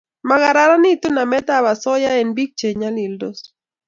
Magaranitu namet ab asoya eng' biik che nyalildos